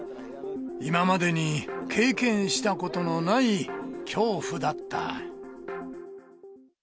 今までに経験したことのない恐怖だった。